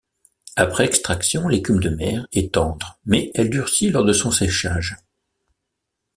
Après extraction, l'écume de mer est tendre mais elle durcit lors de son séchage.